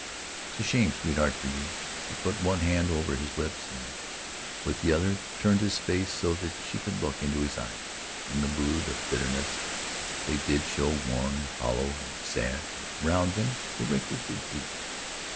"It's a shame, sweetheart, for you " She put one hand over his lips and with the other turned his face so that she could look into his eyes. In the mood of bitterness, they did show worn, hollow and sad, and around them the wrinkles were deep.